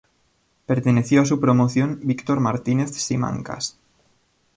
Perteneció a su promoción Víctor Martínez Simancas.